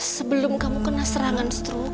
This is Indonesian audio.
sebelum kamu kena serangan stroke